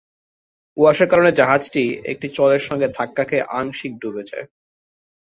কুয়াশার কারণে জাহাজটি একটি চরের সঙ্গে ধাক্কা খেয়ে আংশিক ডুবে যায়।